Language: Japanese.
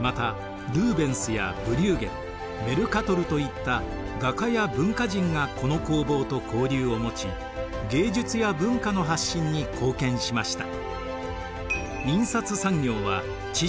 またルーベンスやブリューゲルメルカトルといった画家や文化人がこの工房と交流を持ち芸術や文化の発信に貢献しました。